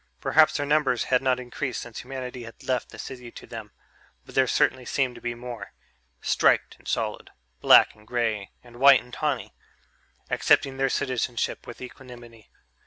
Perhaps their numbers had not increased since humanity had left the city to them, but there certainly seemed to be more striped and solid, black and grey and white and tawny accepting their citizenship with equanimity.